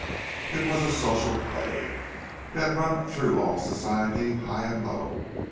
It was a social plague; it had run through all Society, high and low.